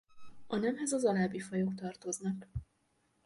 A nemhez az alábbi fajok tartoznak.